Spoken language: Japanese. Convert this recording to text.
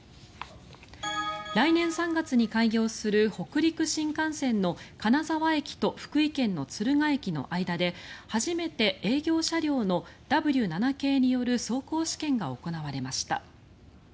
来年３月に開業する北陸新幹線の金沢駅と福井県の敦賀駅の間で初めて営業車両のＷ７系による走行試験が行われました。